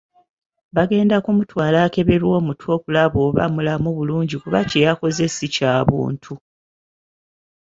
Bagenda kumutwala akeberwe omutwe okulaba oba mulamu bulungi kuba kye yakoze ssi kya buntu.